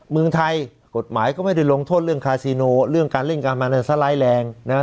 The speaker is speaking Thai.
เมืองไทยกฎหมายก็ไม่ได้ลงโทษเรื่องคาซิโนเรื่องการเล่นการพนันสไลด์แรงนะฮะ